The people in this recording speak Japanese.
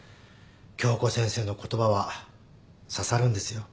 今日子先生の言葉は刺さるんですよああ